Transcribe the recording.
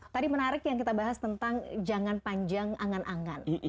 tadi menarik yang kita bahas tentang jangan panjang angan angan